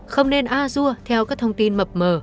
không nên a dua theo các thông tin mập mờ